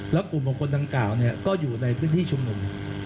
แล้วกลุ่มของคนดังกล่าวก็อยู่ในพื้นที่ชุมนุม